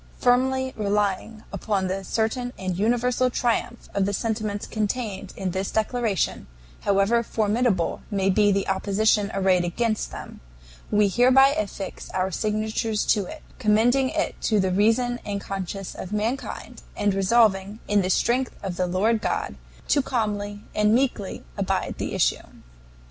"Firmly relying upon the certain and universal triumph of the sentiments contained in this declaration, however formidable may be the opposition arrayed against them, we hereby affix our signatures to it; commending it to the reason and conscience of mankind, and resolving, in the strength of the Lord God, to calmly and meekly abide the issue."